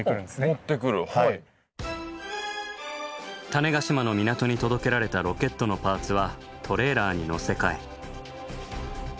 種子島の港に届けられたロケットのパーツはトレーラーに載せ替え。